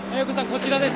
こちらです。